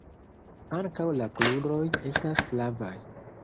Ankaŭ la kruroj estas flavaj.